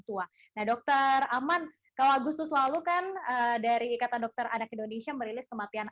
tua nah dokter aman kalau agustus lalu kan dari ikatan dokter anak indonesia merilis kematian